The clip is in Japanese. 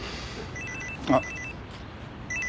あっ。